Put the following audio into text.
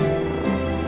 ya kita ke sekolah